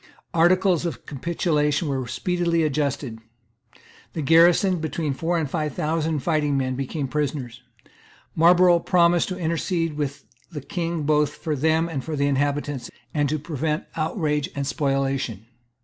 Articles of capitulation were speedily adjusted. The garrison, between four and five thousand fighting men, became prisoners. Marlborough promised to intercede with the King both for them and for the inhabitants, and to prevent outrage and spoliation.